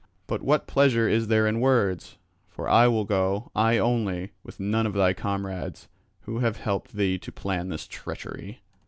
But what pleasure is there in words? For I will go, I only, with none of thy comrades, who have helped thee to plan this treachery."